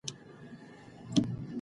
ریمیګیپینټ د نوي درمل نوم دی.